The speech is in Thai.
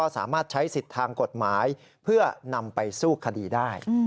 สามารถใช้สิทธิ์ทางกฎหมายเพื่อนำไปสู้คดีได้